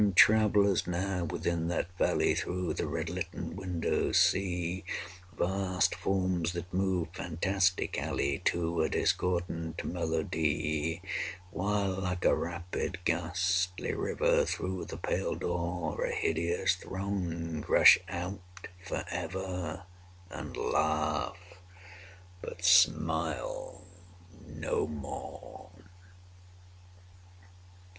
And travellers now within that valley, Through the red litten windows, see Vast forms that move fantastically To a discordant melody; While, like a rapid ghastly river, Through the pale door, A hideous throng rush out forever, And laugh—but smile no more.